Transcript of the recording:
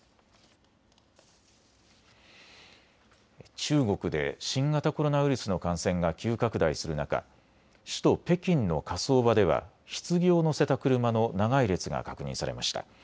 中国で新型コロナウイルスの感染が急拡大する中、首都・北京の火葬場ではひつぎを乗せた車の長い列が確認されました。